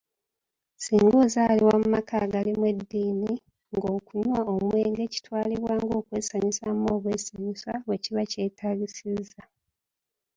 Singa ozaalibwa mu maka agalimu eddiini ng'okunywa omwenge kitwalibwa ng'ekyokwesanyusaamu obwesanyusa, wekiba kyetaagisizza.